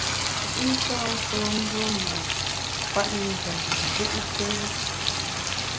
I tâ tuo mbù me kwet njap bi ri’kéri.